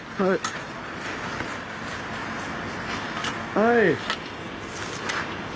はい。